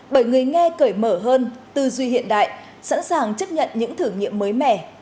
bởi người nghe cởi mở hơn tư duy hiện đại sẵn sàng chấp nhận những thử nghiệm mới mẻ